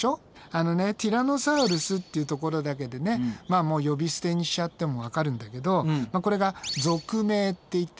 あのねティラノサウルスっていうところだけでね呼び捨てにしちゃってもわかるんだけどこれが属名っていってね